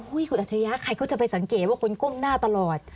อุ้ยคุณอาชญาใครก็จะไปสังเกตว่าคนก้มหน้าตลอด